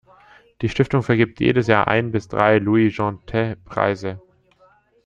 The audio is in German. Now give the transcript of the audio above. Die Stiftung vergibt jedes Jahr ein bis drei Louis-Jeantet-Preise.